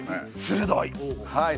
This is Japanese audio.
鋭い！